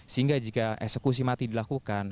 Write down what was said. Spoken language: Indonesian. sehingga jika eksekusi mati dilakukan